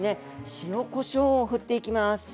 塩・こしょうをふっていきます。